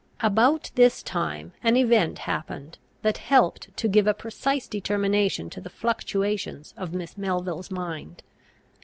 About this time an event happened, that helped to give a precise determination to the fluctuations of Miss Melville's mind.